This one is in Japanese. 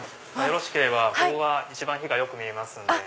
よろしければここが一番火がよく見えますんで。